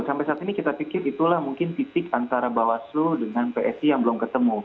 sampai saat ini kita pikir itulah mungkin titik antara bawaslu dengan psi yang belum ketemu